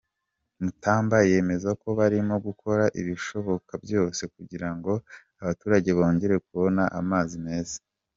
Mutamba yemeza ko barimo gukora ibishoboka byose, kugira ngo abaturage bongera kubona amazi meza.